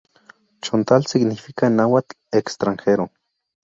Chontal significa en nahuatl "extranjero".